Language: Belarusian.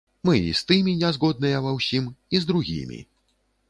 Мы і з тымі не згодныя ва ўсім, і з другімі.